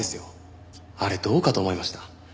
あれどうかと思いました。